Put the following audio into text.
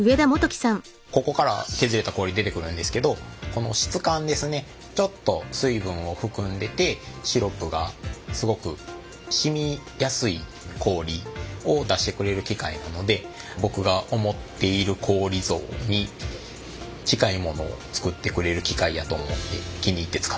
ここから削れた氷が出てくるんですけどこの質感ですねちょっと水分を含んでてシロップがすごくしみやすい氷を出してくれる機械なのでと思って気に入って使ってます。